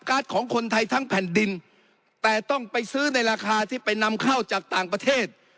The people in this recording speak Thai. ของคนไทยทั้งแผ่นดินแต่ต้องไปซื้อในราคาที่ไปนำเข้าจากต่างประเทศ